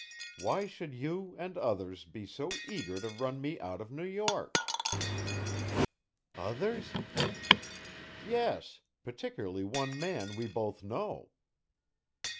Why should you, and others, be so eager to run me out of New York?" "Others?" "Yes particularly one man we both know."